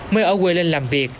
mới ở quê lên làm việc